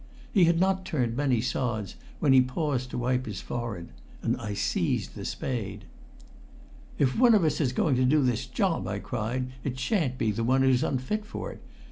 He had not turned many sods when he paused to wipe his forehead, and I seized the spade. "If one of us is going to do this job," I cried, "it shan't be the one who's unfit for it.